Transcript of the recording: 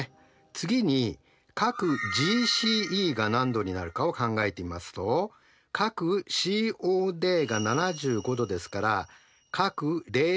次に角ＧＣＥが何度になるかを考えてみますと角ＣＯＤが７５°ですから角ＤＣＯは１５°です。